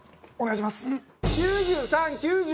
お願いします！